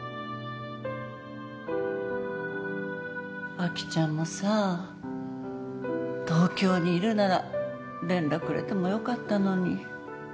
アキちゃんもさ東京にいるなら連絡くれてもよかったのに。